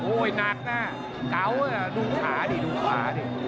โอ้ยหนักน่ะเก๋าอ่ะดูขาดิดูขาดิ